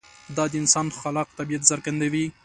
دا د انسان خلاق طبیعت څرګندوي.